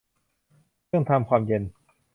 เครื่องทำความเย็น